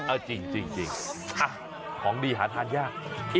จริงของดีหาทานยาก